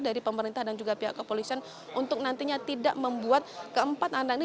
dari pemerintah dan juga pihak kepolisian untuk nantinya tidak membuat keempat anak ini